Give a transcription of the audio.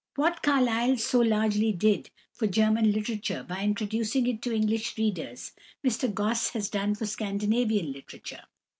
What Carlyle so largely did for German literature by introducing it to English readers Mr Gosse has done for Scandinavian literature.